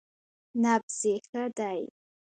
_نبض يې ښه دی.